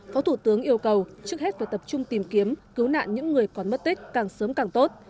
phó thủ tướng yêu cầu trước hết phải tập trung tìm kiếm cứu nạn những người còn mất tích càng sớm càng tốt